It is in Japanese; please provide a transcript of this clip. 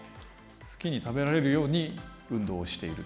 好きに食べられるように運動をしている。